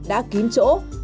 đã kín thuế